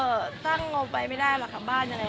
เอออตั้งงดไปไม่ได้หลักขัมบ้านยังไง